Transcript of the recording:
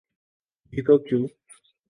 بھی تو کیوں؟